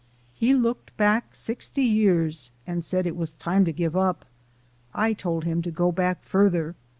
He looked back sixty years, and said it was time to give up. I told him to go back furder.